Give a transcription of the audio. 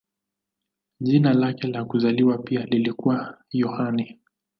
Jina lake la kuzaliwa pia lilikuwa Yohane.